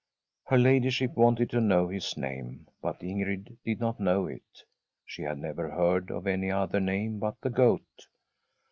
Her ladyship wanted to know his name, but Ingrid did not know it. She had never heard of any other name but the Goat.